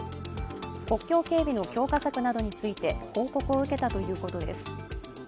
国境警備の強化策などについて報告を受けたということです。